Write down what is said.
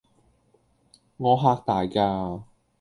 我嚇大㗎